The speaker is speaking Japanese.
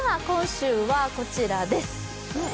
今週はこちらです。